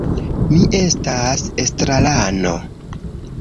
Mi estas estrarano.